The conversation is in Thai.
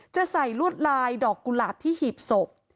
จะใส่ลวดลายดอกกุหลาบที่หีบศพ